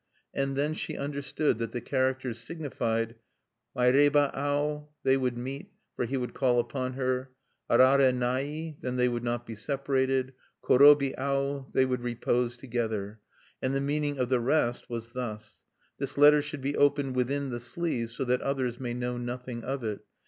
And then she understood that the characters signified: Maireba au they would meet, for he would call upon her. Arare nai then they would not be separated. Korobi au they would repose together. And the meaning of the rest was thus: "This letter should be opened within the sleeve, so that others may know nothing of it.